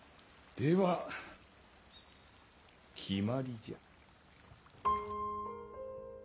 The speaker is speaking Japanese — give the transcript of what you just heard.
では決まりじゃ。